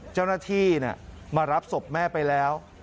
เจ้าหน้าที่มารับศพแม่ไปแล้ว